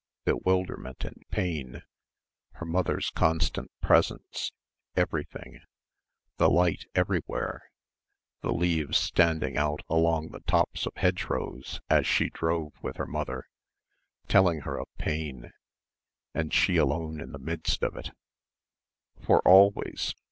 Bewilderment and pain ... her mother's constant presence ... everything, the light everywhere, the leaves standing out along the tops of hedgerows as she drove with her mother, telling her of pain and she alone in the midst of it ... for always